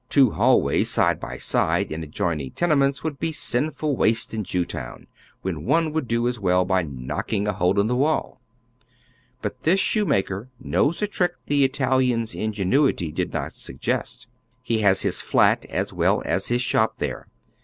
Two hallways side by side in ad joining tenements would be sinful waste in Jewtown, when one would do as well by knocking a hole in tbe wall. But this shoemaker knows a trick the Italian's ingenuity did not suggest. He lias his " flat " as well as his shop there.